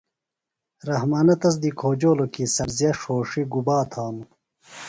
رحمانہ تس دی کھوجولوۡ کی سبزِیہ ݜوݜیۡ گُبا تھانوۡ؟